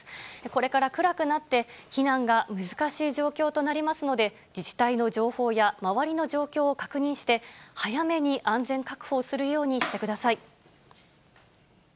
これから暗くなって、避難が難しい状況となりますので、自治体の情報や周りの状況を確認して、早めに安全確保をするようにしてください。